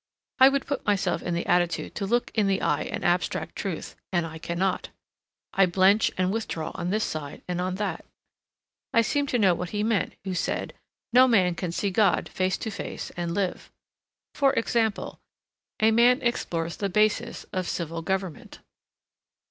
I would put myself in the attitude to look in the eye an abstract truth, and I cannot. I blench and withdraw on this side and on that. I seem to know what he meant who said, No man can see God face to face and live. For example, a man explores the basis of civil government.